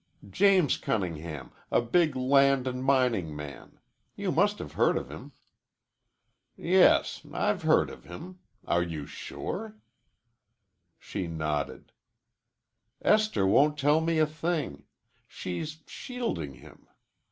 "James Cunningham, a big land and mining man. You must have heard of him." "Yes, I've heard of him. Are you sure?" She nodded. "Esther won't tell me a thing. She's shielding him.